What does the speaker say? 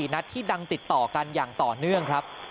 นัดที่ดังติดต่อกันอย่างต่อเนื่องครับ